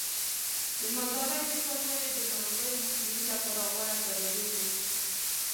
د مالدارۍ د څارویو د ناروغیو مخنیوي لپاره غوره تدابیر نیول کېږي.